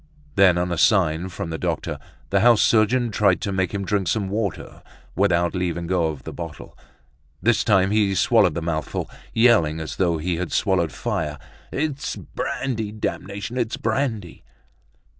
Then, on a sign from the doctor, the house surgeon tried to make him drink some water without leaving go of the bottle. This time he swallowed the mouthful, yelling as though he had swallowed fire. "It's brandy; damnation! It's brandy!"